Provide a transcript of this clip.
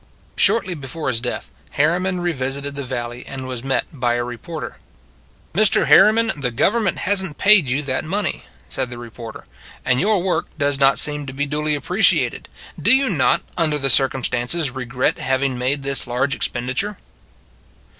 Shortly before his death, Harriman re visited the valley, and was met by a re porter. " Mr. Harriman, the Government has n t paid you that money," said the re porter, " and your work does not seem to be duly appreciated; do you not, under the circumstances, regret having made this large expenditure?"